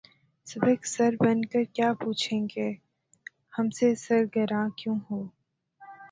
سبک سر بن کے کیا پوچھیں کہ ’’ ہم سے سر گراں کیوں ہو؟‘‘